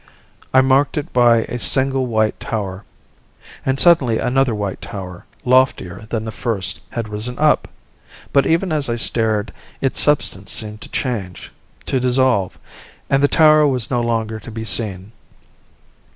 I marked it by a single white tower. And suddenly another white tower, loftier than the first, had risen up! But even as I stared its substance seemed to change, to dissolve, and the tower was no longer to be seen.